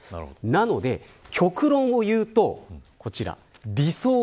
なので極論を言うと、こちら。